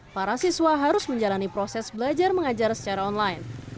para siswa harus menjalani proses belajar mengajar secara online